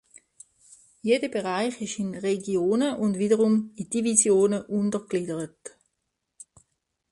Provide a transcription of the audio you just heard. Jeder Bereich ist in Regionen und wiederum Divisionen untergliedert.